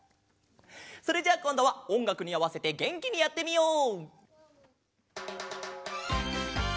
それじゃあこんどはおんがくにあわせてげんきにやってみよう！